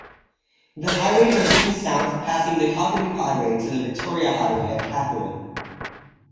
The highway continues south passing the Kakadu Highway to the Victoria Highway at Katherine.